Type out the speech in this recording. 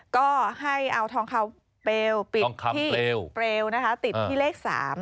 ก็ให้เอาทองคำเปลวปิดที่เปลวนะคะติดที่เลข๓